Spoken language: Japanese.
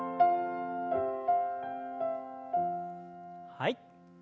はい。